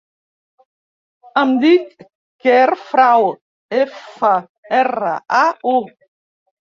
Em dic Quer Frau: efa, erra, a, u.